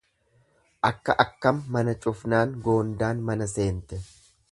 Akka akkam mana cufnaan goondaan mana seente.